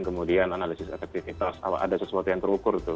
kemudian analisis efektivitas ada sesuatu yang terukur tuh